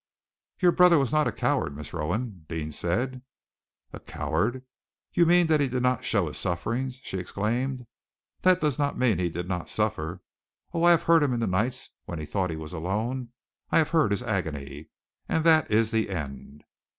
"Your brother was not a coward, Miss Rowan," Deane said. "A coward! You mean that he did not show his sufferings!" she exclaimed. "That does not mean that he did not suffer. Oh! I have heard him in the night when he thought that he was alone, I have heard his agony. And that is the end!"